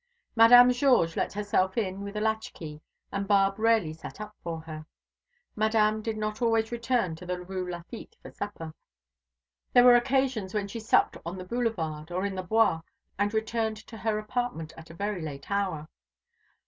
Madame Georges let herself in with a latch key, and Barbe rarely sat up for her. Madame did not always return to the Rue Lafitte for supper. There were occasions when she supped on the Boulevard, or in the Bois, and returned to her apartment at a very late hour.